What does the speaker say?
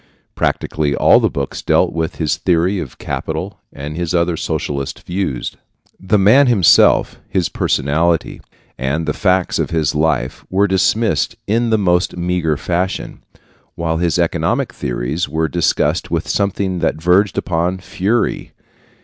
Practically all the books dealt with his theory of capital and his other socialistic views. The man himself, his personality, and the facts of his life were dismissed in the most meager fashion, while his economic theories were discussed with something that verged upon fury.